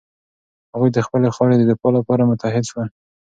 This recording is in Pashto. هغوی د خپلې خاورې د دفاع لپاره متحد شول.